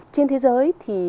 trên thế giới thì